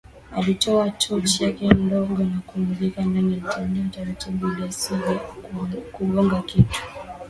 Alitoa tochi yake ndogo na kumulika ndani alitembea taratibu ili asije kugonga kitu